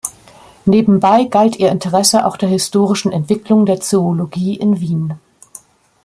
Nebenbei galt ihr Interesse auch der historischen Entwicklung der Zoologie in Wien.